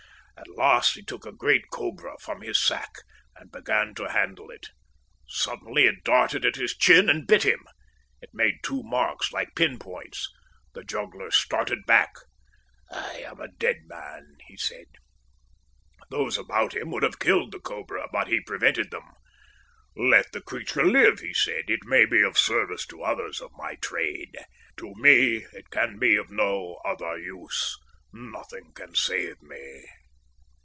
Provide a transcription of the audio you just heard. At last he took a great cobra from his sack and began to handle it. Suddenly it darted at his chin and bit him. It made two marks like pin points. The juggler started back. "'I am a dead man,'" he said. "Those about him would have killed the cobra, but he prevented them. "'Let the creature live,' he said. 'It may be of service to others of my trade. To me it can be of no other use. Nothing can save me.